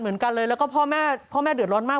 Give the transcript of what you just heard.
เหมือนกันเลยแล้วก็พ่อแม่พ่อแม่เดือดร้อนมาก